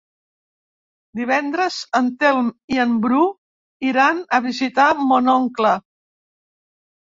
Divendres en Telm i en Bru iran a visitar mon oncle.